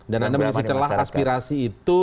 dan anda mengisi celah aspirasi itu